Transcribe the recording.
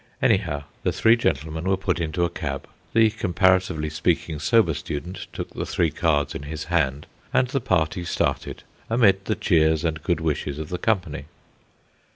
Anyhow, the three gentlemen were put into a cab, the comparatively speaking sober student took the three cards in his hand, and the party started amid the cheers and good wishes of the company.